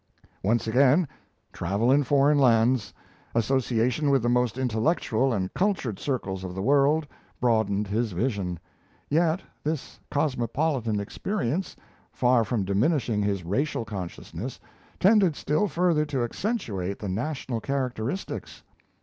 Once again, travel in foreign lands, association with the most intellectual and cultured circles of the world, broadened his vision; yet this cosmopolitan experience, far from diminishing his racial consciousness, tended still further to accentuate the national characteristics.